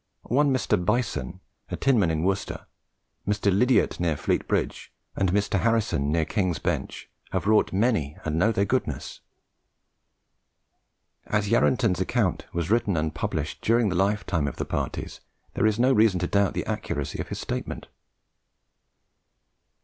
One Mr. Bison, a tinman in Worcester, Mr. Lydiate near Fleet Bridge, and Mr. Harrison near the King's Bench, have wrought many, and know their goodness." As Yarranton's account was written and published during the lifetime of the parties, there is no reason to doubt the accuracy of his statement.